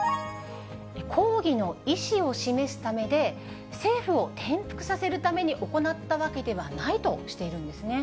抗議の意思を示すためで、政府を転覆させるために行ったわけではないとしているんですね。